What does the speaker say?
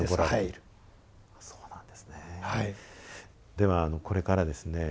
ではこれからですね